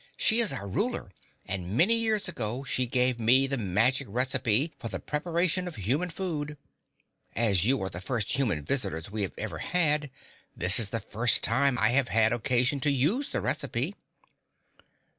"She is our ruler, and many years ago she gave me the magic recipe for the preparation of human food. As you are the first human visitors we have ever had, this is the first time I have had occasion to use the recipe."